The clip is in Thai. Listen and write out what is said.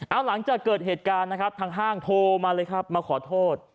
เอาหลังจากเกิดเหตุการณ์นะครับทางห้างโทรมาเลยครับมาขอโทษ